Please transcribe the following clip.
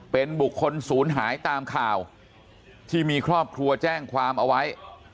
เป็นบุคคลศูนย์หายตามข่าวที่มีครอบครัวแจ้งความเอาไว้